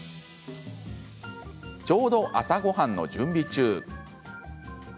ちょうど朝ごはんの準備中。